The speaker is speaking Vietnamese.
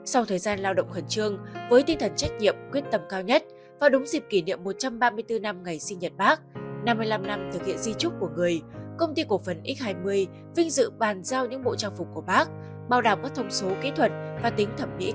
sau thời gian lao động khẩn trương với tinh thần trách nhiệm quyết tâm cao nhất vào đúng dịp kỷ niệm một trăm ba mươi bốn năm ngày sinh nhật bác năm mươi năm năm thực hiện di trúc của người công ty cổ phần x hai mươi vinh dự bàn giao những bộ trang phục của bác bảo đảm các thông số kỹ thuật và tính thẩm mỹ